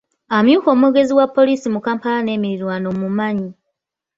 Amyuka omwogezi wa poliisi mu Kampala n'emiriraano mmumanyi.